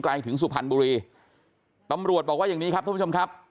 ถึงสุพรรณบุรีตำรวจบอกว่าอย่างนี้ครับท่านผู้ชมครับ